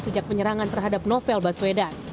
sejak penyerangan terhadap novel baswedan